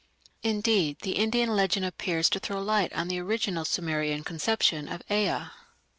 Indeed the Indian legend appears to throw light on the original Sumerian conception of Ea.